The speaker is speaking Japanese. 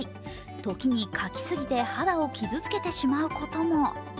時にかきすぎて肌を傷つけてしまうことも。